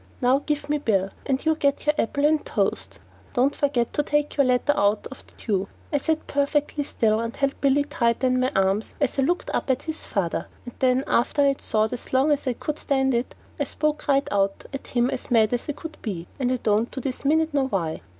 Now give me Bill and you get your apple and toast. Don't forget to take your letter in out of the dew." I sat perfectly still and held Billy tighter in my arms as I looked up at his father, and then after I had thought as long as I could stand it, I spoke right out at him as mad as could be, and I don't to this minute know why.